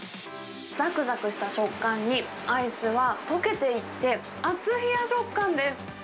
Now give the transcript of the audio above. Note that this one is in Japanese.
ざくざくした食感に、アイスが溶けていって、あつひや食感です。